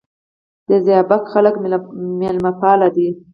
د زیباک خلک میلمه پال دي